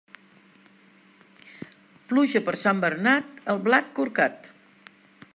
Pluja per Sant Bernat, el blat corcat.